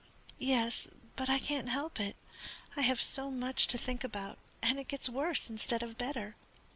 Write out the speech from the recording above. "Yes, but I can't help it. I have so much to think about, and it gets worse instead of better.